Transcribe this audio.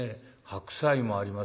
白菜もあります。